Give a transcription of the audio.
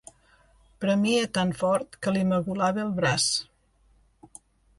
Premia tan fort que li magolava el braç.